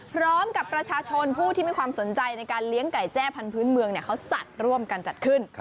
พร้อมกับประชาชนผู้ที่มีความสนใจในการเลี้ยงไก่แจ้พันธุ์เมืองเขาจัดร่วมกันจัดขึ้น